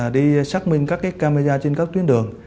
đi xác minh các camera trên các tuyến đường